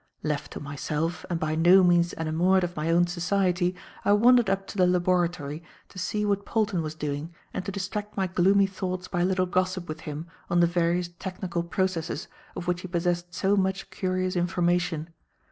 Left to myself, and by no means enamoured of my own society, I wandered up to the laboratory to see what Polton was doing and to distract my gloomy thoughts by a little gossip with him on the various technical processes of which he possessed so much curious information.